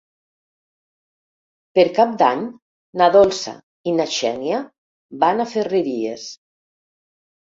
Per Cap d'Any na Dolça i na Xènia van a Ferreries.